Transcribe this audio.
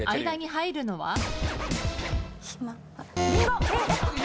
間に入るのは？